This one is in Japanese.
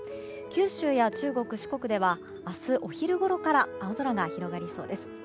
九州や中国、四国では明日お昼ごろから青空が広がりそうです。